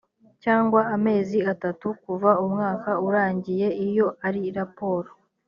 cyangwa amezi atatu kuva umwaka urangiye iyo ari raporo